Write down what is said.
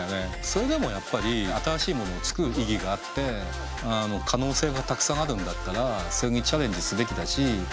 それでもやっぱり新しいものを作る意義があって可能性がたくさんあるんだったらそれにチャレンジすべきだし。